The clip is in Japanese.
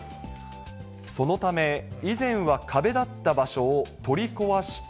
そのため、以前は壁だった場所を取り壊して。